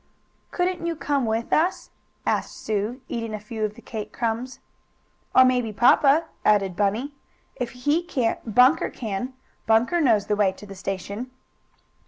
"Couldn't you come with us?" asked Sue, eating a few of the cake crumbs. "Or maybe papa," added Bunny. "If he can't Bunker can. Bunker knows the way to the station."